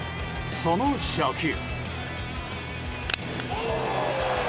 その初球。